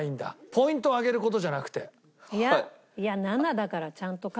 ポイントを上げる事じゃなくて。